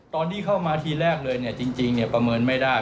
ตอนที่เข้ามาทีแรกเลยจริงประเมินไม่ได้